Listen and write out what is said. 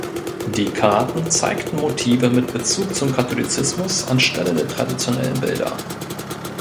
Die Karten zeigten Motive mit Bezug zum Katholizismus anstelle der traditionellen Bilder.